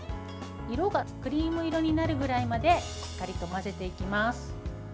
色がクリーム色になるぐらいまでしっかりと混ぜていきます。